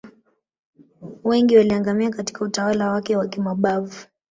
wengi waliangamia Katika utawala wake wa kimabavu